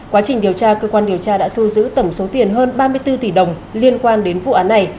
quá trình điều tra cơ quan điều tra đã thu giữ tổng số tiền hơn ba mươi bốn tỷ đồng liên quan đến vụ án này